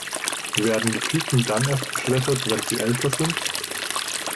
Werden die Küken dann erst geschreddert, wenn sie älter sind?